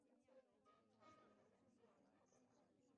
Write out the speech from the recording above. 首府锡拉库萨。